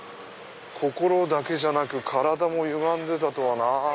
心だけじゃなく体もゆがんでたとはなぁ。